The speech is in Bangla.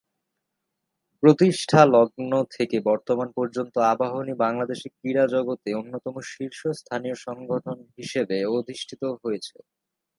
প্রতিষ্ঠালগ্ন থেকে বর্তমান পর্যন্ত আবাহনী বাংলাদেশের ক্রীড়া জগতে অন্যতম শীর্ষস্থানীয় সংগঠন হিসেবে অধিষ্ঠিত হয়েছে।